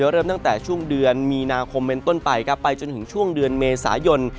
เริ่มตั้งแต่ช่วงเดือนมีนาคมเป็นต้นไปครับไปจนถึงช่วงเดือนเมษายน